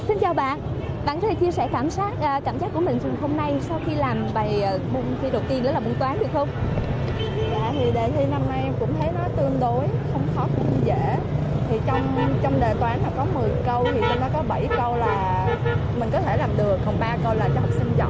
xin chào bạn bạn có thể chia sẻ cảm giác của mình hôm nay sau khi làm bài môn thi đầu tiên đó là môn toán được không